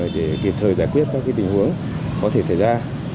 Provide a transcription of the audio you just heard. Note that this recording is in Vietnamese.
để kịp thời giải quyết các tình huống có thể xảy ra